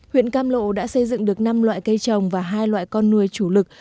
huyện cam lộ đã xây dựng được năm loại cây trồng và hai loại con nuôi chủ lực